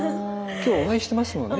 今日お会いしてますもんね